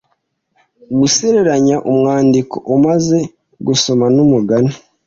Gereranya umwandiko umaze gusoma n’umugani